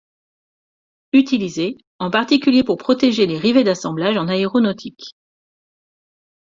Utilisé, en particulier pour protéger les rivets d'assemblage en aéronautique.